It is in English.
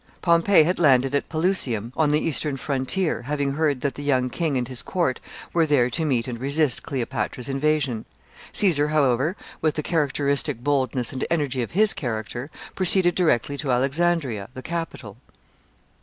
Pompey had landed at Pelusium, on the eastern frontier, having heard that the young king and his court were there to meet and resist Cleopatra's invasion. Caesar, however, with the characteristic boldness and energy of his character, proceeded directly to Alexandria, the capital. [Sidenote: Caesar at Alexandria.